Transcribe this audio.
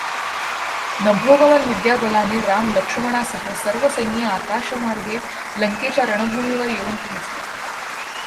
नभोगमन विद्या बलाने राम लक्ष्मणासह सर्व सैन्य आकाशमार्गे लंकेच्या रणभूमीवर येवून पोहोचले.